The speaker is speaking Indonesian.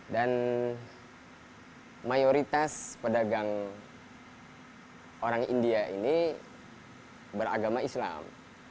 dan mayoritas pedagang orang india ini beragama islam